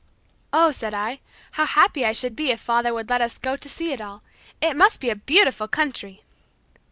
"Oh," said I, "how happy I should be if father would let us go to see it all. It must be a beautiful country!"